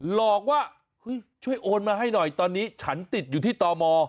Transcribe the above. หลอกว่าเฮ้ยช่วยโอนมาให้หน่อยตอนนี้ฉันติดอยู่ที่ตม